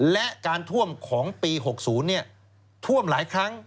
และการท่วมของปี๖๐ท่วมหลายครั้ง